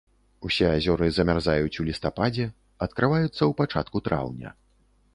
Усе азёры замярзаюць у лістападзе, адкрываюцца ў пачатку траўня.